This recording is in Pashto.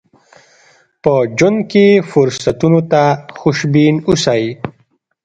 په ژوند کې فرصتونو ته خوشبين اوسئ.